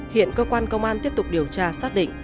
hiện cơ quan công an tiếp tục điều tra xác định